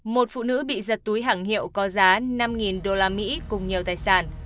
một phụ nữ bị giật túi hàng hiệu có giá năm usd cùng nhiều tài sản